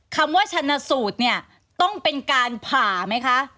คำว่าชนะสูตรเนี่ยต้องเป็นการผ่าไหมคะ